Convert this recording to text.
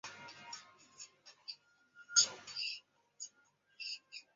机械类机器一般是指产生力学能或是利用力学能进行特定任务的机器。